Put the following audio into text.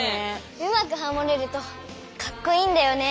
うまくハモれるとかっこいいんだよね。